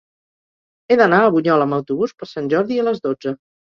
He d'anar a Bunyola amb autobús per Sant Jordi a les dotze.